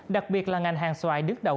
đặc biệt là ngành hàng xoài đứt đầu